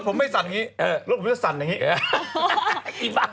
ผมไม่สั่นอย่างนี้รถผมจะสั่นอย่างนี้เหรอ